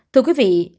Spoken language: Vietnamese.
thưa quý vị